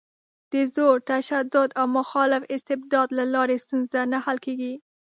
د زور، تشدد او مخالف استبداد له لارې ستونزه نه حل کېږي.